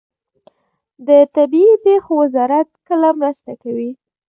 د طبیعي پیښو وزارت کله مرسته کوي؟